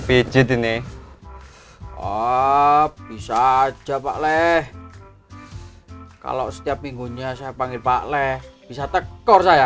pijit ini oh bisa aja pak leh kalau setiap minggunya saya panggil pak leh bisa tekor saya